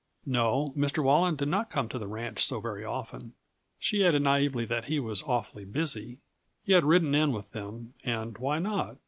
No, Mr. Walland did not come to the ranch so very often. She added naïvely that he was awfully busy. He had ridden in with them and why not?